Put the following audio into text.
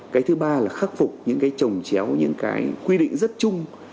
cái thứ ba là khắc phục những cái trồng chéo những cái quy định rất chung